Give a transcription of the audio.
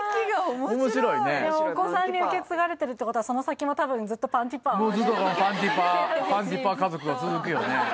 お子さんに受け継がれてるってことはその先も多分ずっとパンティパー何？